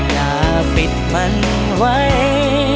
อย่าปิดมันไว้